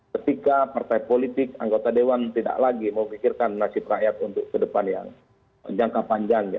ketika partai politik anggota dewan tidak lagi memikirkan nasib rakyat untuk ke depan yang jangka panjang